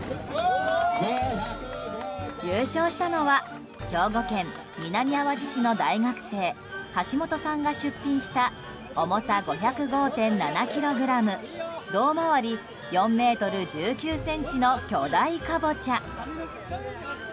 優勝したのは兵庫県南あわじ市の大学生橋本さんが出品した重さ５０５．７ｋｇ胴回り４ｍ１９ｃｍの巨大カボチャ。